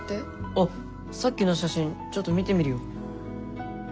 あっさっきの写真ちょっと見てみるよ。